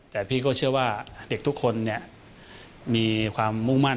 แต่พี่ก็เชื่อว่าเด็กทุกคนมีความมุ่งมั่น